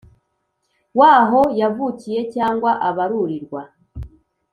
W Aho Yavukiye Cyangwa Abarurirwa